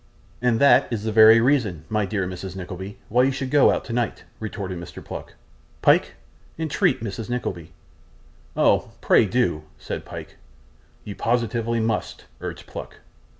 'And that is the very reason, my dear Mrs. Nickleby, why you should go out tonight,' retorted Mr. Pluck. 'Pyke, entreat Mrs. Nickleby.' 'Oh, pray do,' said Pyke. 'You positively must,' urged Pluck.